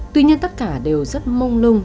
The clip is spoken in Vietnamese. tuy nhiên tất cả đều rất mông lung